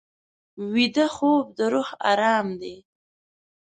ویده خوب د روح ارام دی